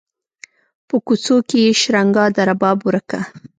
په کوڅو کې یې شرنګا د رباب ورکه